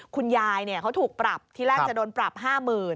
คุณยายเนี่ยเขาถูกปรับที่แรกจะโดนปรับห้าหมื่น